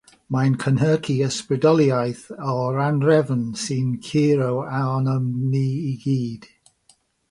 Mae'n cynhyrchu ysbrydoliaeth o'r anhrefn sy'n curo arnom ni i gyd.